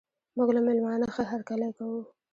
موږ له میلمانه ښه هرکلی کوو.